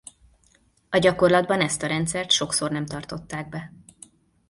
A gyakorlatban ezt a rendszert sokszor nem tartották be.